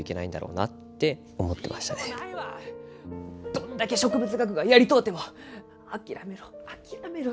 どんだけ植物学がやりとうても「諦めろ諦めろ」